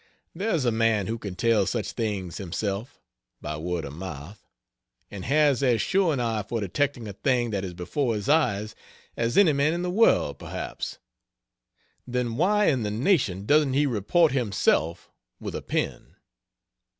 There's a man who can tell such things himself (by word of mouth,) and has as sure an eye for detecting a thing that is before his eyes, as any man in the world, perhaps then why in the nation doesn't he report himself with a pen?